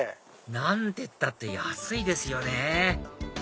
何てったって安いですよね